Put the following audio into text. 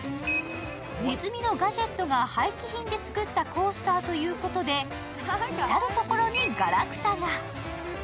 ネズミのガジェットが廃棄品で作ったコースターということで至る所にガラクタが。